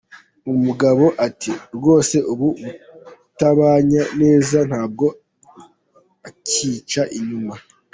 Umugabo ati “Rwose ubu butabanye neza ntabwo ankica inyuma.